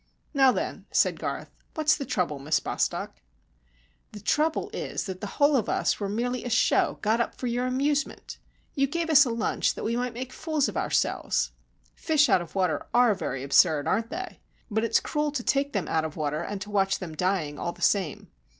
"Now, then," said Garth. "What's the trouble, Miss Bostock?" "The trouble is that the whole of us were merely a show got up for your amusement. You gave us a lunch that we might make fools of ourselves. Fish out of water are very absurd, aren't they? But it's cruel to take them out of water and to watch them dying, all the same.